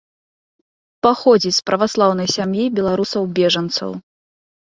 Паходзіць з праваслаўнай сям'і беларусаў-бежанцаў.